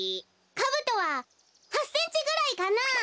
カブトは８センチぐらいかなあ。